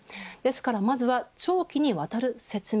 まずは長期にわたる説明